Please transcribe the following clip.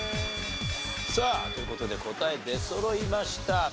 さあという事で答え出そろいました。